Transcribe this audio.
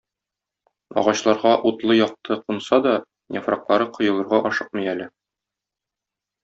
Агачларга утлы якты кунса да, яфраклары коелырга ашыкмый әле.